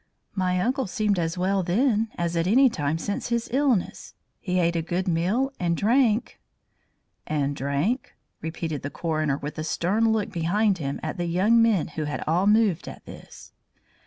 "My uncle seemed as well then as at any time since his illness. He ate a good meal and drank " "And drank," repeated the coroner with a stern look behind him at the young men who had all moved at this.